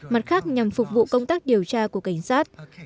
mặt khác nhằm phục vụ công tác điều tra của cảnh sát